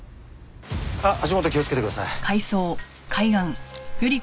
あっ足元気をつけてください。